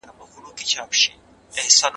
څېړونکي ټول اړین مواد راټول کړي وو.